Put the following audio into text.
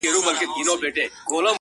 نن د پنجابي او منظور جان حماسه ولیکه-